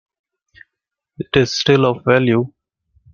It is still of value.